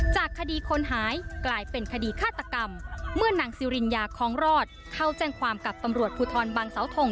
จากคดีคนหายกลายเป็นคดีฆาตกรรมเมื่อนางซิริญญาคล้องรอดเข้าแจ้งความกับตำรวจภูทรบังเสาทง